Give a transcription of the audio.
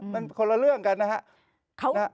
มันคนละเรื่องกันนะครับ